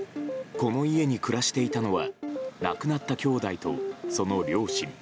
この家に暮らしていたのは亡くなった兄弟とその両親。